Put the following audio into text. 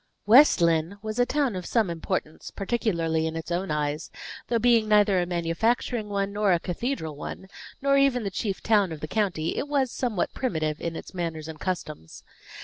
West Lynne was a town of some importance, particularly in its own eyes, though being neither a manufacturing one nor a cathedral one, nor even the chief town of the county, it was somewhat primitive in its manners and customs.